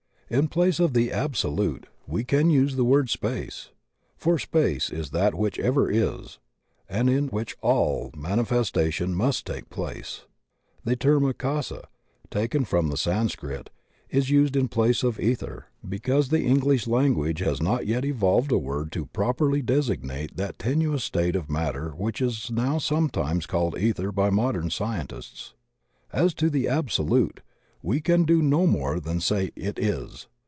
In place of "the Absolute" we can use the word Space. For Space is that which ever is, and in which all mani festation must take place. The term Akasa, taken from the Sanskrit, is used in place of iEther, because FIRST DIFFERENTIATIONS 15 the English language has not yet evolved a word to properly designate that tenuous state of matter which is now sometimes called Ether by modem scientists. As to the Absolute we can do no more than say It Is.